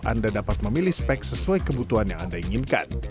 anda dapat memilih spek sesuai kebutuhan yang anda inginkan